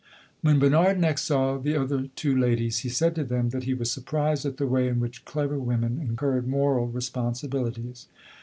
When Bernard next saw the other two ladies, he said to them that he was surprised at the way in which clever women incurred moral responsibilities.